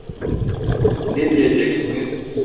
Ne diyeceksiniz?